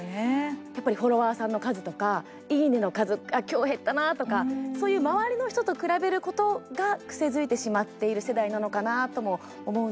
やっぱりフォロワーさんの数とかいいねの数、きょう減ったなとかそういう周りの人と比べることが癖づいてしまっている世代なのかなとも思うんですよね。